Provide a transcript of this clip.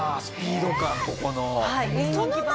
スピード感ここの。